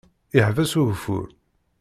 Iḥbes ugeffur.